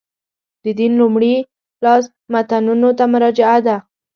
د دین لومړي لاس متنونو ته مراجعه ده.